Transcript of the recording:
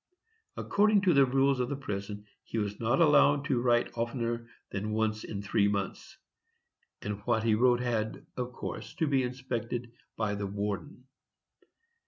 According to the rules of the prison, he was not allowed to write oftener than once in three months, and what he wrote had, of course, to be inspected by the warden.